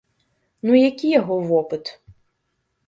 Ну які яго вопыт?!